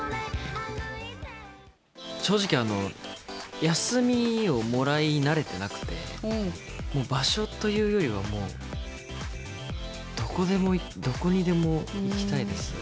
正直、休みをもらい慣れてなくて、場所というよりはもう、どこでも、どこにでも行きたいです。